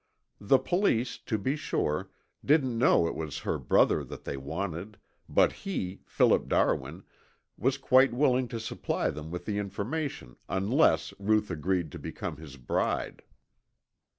The police, to be sure, didn't know it was her brother that they wanted but he, Philip Darwin, was quite willing to supply them with the information unless Ruth agreed to become his bride.